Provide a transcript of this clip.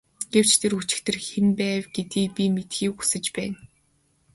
Гэвч тэр өчигдөр хэн байв гэдгийг би мэдэхийг хүсэж байна.